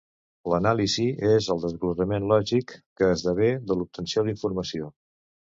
L'anàlisi és el desglossament lògic que esdevé de l'obtenció d'informació.